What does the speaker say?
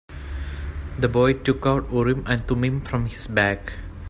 The boy took out Urim and Thummim from his bag.